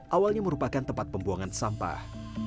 awalnya merupakan tempat pembuangan sampah